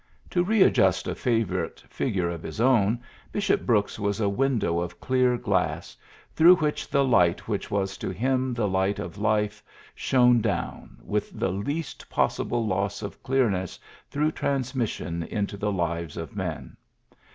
To readjust a favorite figure of his own, Bishop Brooks was a window of clear glass, through which the light which was to him the light of life shone down, with the least possible loss of clearness through transmission, into the lives of men.